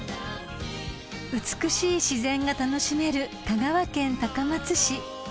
［美しい自然が楽しめる香川県高松市］